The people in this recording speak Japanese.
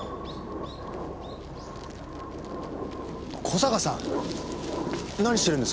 小坂さん！